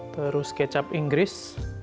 terus kecap inggris